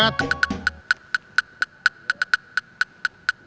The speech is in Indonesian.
atau tuh nolong